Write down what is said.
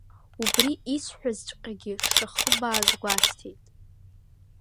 Убри исҳәазҵәҟьагьы дшахыбааз гәасҭеит.